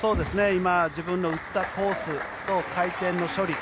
今、自分の打ったコースと回転の処理。